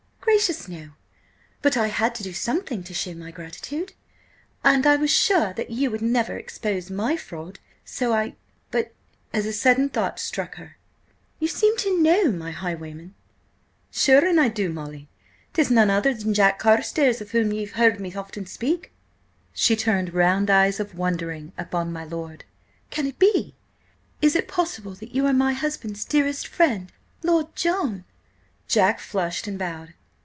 "Gracious, no! But I had to do something to show my gratitude–and I was sure that you would never expose my fraud–so I— But," as a sudden thought struck her, "you seem to know my highwayman!" "Sure an' I do, Molly. 'Tis none other than Jack Carstares of whom ye've often heard me speak!" She turned round eyes of wonderment upon my lord. "Can it be–is it possible that you are my husband's dearest friend–Lord John?" Jack flushed and bowed.